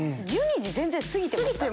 １２時全然過ぎてました。